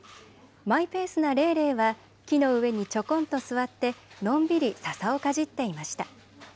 マイペースなレイレイは木の上にちょこんと座ってのんびりささをかじっていました。